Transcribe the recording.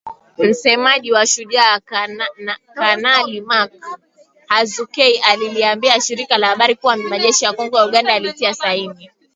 Msemaji wa Shujaa, Kanali Mak Hazukay aliliambia shirika la habari kuwa majeshi ya Kongo na Uganda yalitia saini.